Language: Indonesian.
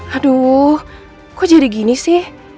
aduh kok jadi gini sih